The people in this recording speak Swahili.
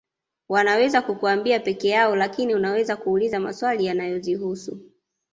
Wanaweza kukuambia pekee yao lakini unaweza kuuliza maswali yanayozihusu